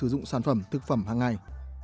dụng sản phẩm thực phẩm hàng ngày